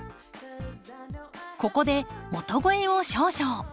ここで元肥を少々。